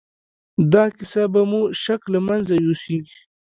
دا کيسه به مو شک له منځه يوسي.